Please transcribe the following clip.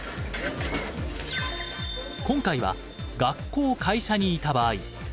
今回は「学校・会社にいた場合」。